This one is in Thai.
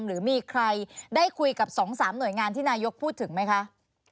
หรือมีใครได้คุยกับ๒๓หน่วยงานที่นายกพูดถึงไหมคะ